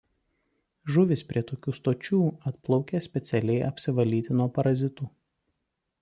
Žuvys prie tokių „stočių“ atplaukia specialiai apsivalyti nuo parazitų.